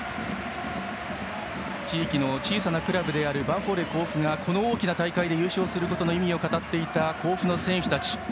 地域の小さなクラブであるヴァンフォーレ甲府がこの大きな大会で優勝することの意味を語っていた甲府の選手たち。